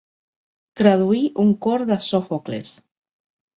Traduir un cor de Sòfocles.